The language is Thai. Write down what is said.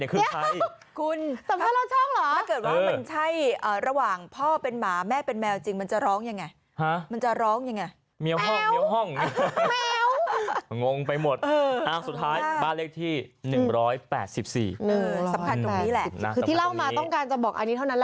คือที่ล่ามาต้องการจะบอก